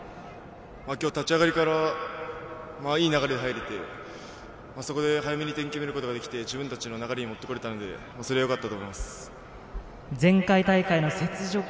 今日、立ち上がりからいい流れで入れて、そこで早めに点を決めることができて自分たちの流れに持ってこられたのでそれがよかったと思います。